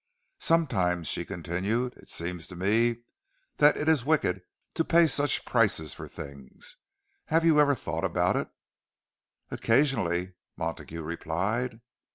"Sometimes," she continued, "it seems to me that it is wicked to pay such prices for things. Have you ever thought about it?" "Occasionally," Montague replied.